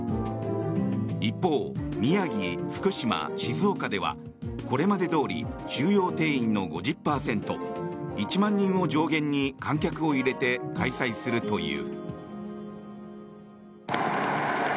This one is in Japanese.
一方、宮城、福島、静岡ではこれまでどおり収容定員の５０％１万人を上限に観客を入れて開催するという。